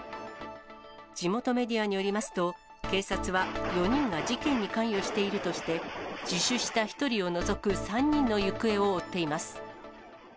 地元メディアによりますと、警察は４人が事件に関与しているとして、自首した１人を除く３人の行方を追っています。